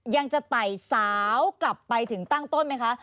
ยังจะไต่สาวกลับไปถึงตั้งต้นไหมคะ